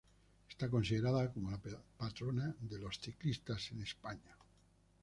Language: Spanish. Está considerada como la patrona de los ciclistas en España.